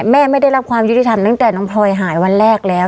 ไม่ได้รับความยุติธรรมตั้งแต่น้องพลอยหายวันแรกแล้ว